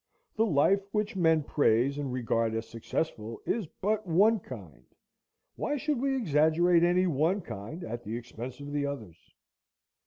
The life which men praise and regard as successful is but one kind. Why should we exaggerate any one kind at the expense of the others?